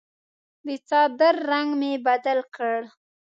د څادر رنګ مې بدل کړ.